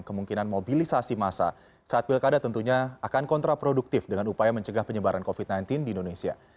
kemungkinan mobilisasi massa saat pilkada tentunya akan kontraproduktif dengan upaya mencegah penyebaran covid sembilan belas di indonesia